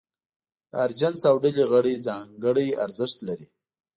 د هر جنس او ډلې غړي ځانګړي ارزښت لري.